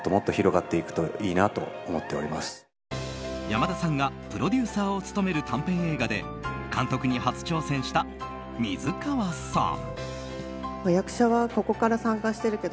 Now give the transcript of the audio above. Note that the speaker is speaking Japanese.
山田さんがプロデューサーを務める短編映画で監督に初挑戦した水川さん。